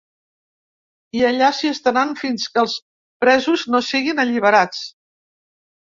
I allà s’hi estaran fins que els presos no siguin alliberats.